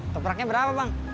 topraknya berapa bang